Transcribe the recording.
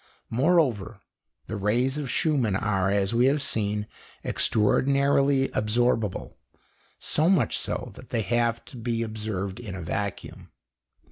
Moreover, the rays of Schumann are, as we have seen, extraordinarily absorbable, so much so that they have to be observed in a vacuum.